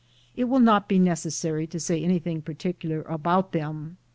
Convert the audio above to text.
It will not be necessary to say anything par ticukr about them.